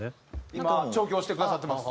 今調教してくださってます。